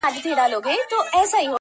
ستا سترگي دي.